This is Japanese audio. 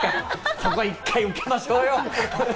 そこは一回受けましょうよ。